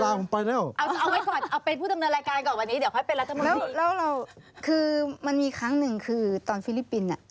แล้วว่าเราคือมันมีครั้งหนึ่งคือตอนฟิลิปปินทร์